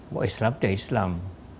wah islam itu islam